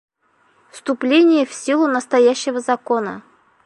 Вступление в силу настоящего Закона